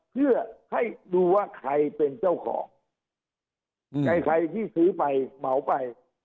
เพื่อให้ดูว่าใครเป็นเจ้าของใครที่ซื้อไปเหมาไป